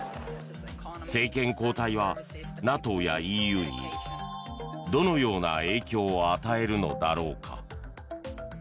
政権交代はＮＡＴＯやＥＵにどのような影響を与えるのだろうか。